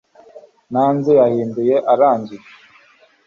nanze yahinduye arangije